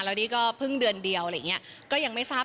แล้วนี่ก็เพิ่งเดือนเดียวอะไรอย่างนี้ก็ยังไม่ทราบ